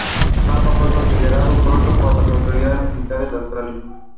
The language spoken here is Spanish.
El mapa fue confiscado pronto por las autoridades militares de Austria.